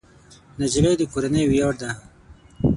نجلۍ د کورنۍ ویاړ ده.